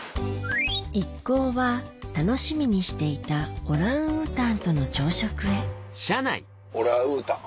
一行は楽しみにしていたオランウータンとの朝食へオラウータン。